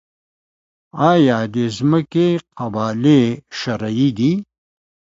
آیا د ځمکې قبالې شرعي دي؟